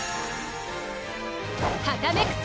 はためく翼！